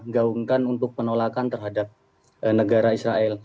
gaungkan untuk penolakan terhadap negara israel